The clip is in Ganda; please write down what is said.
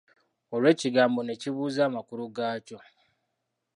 Olwo ekigambo ne kibuza amakulu gaakyo.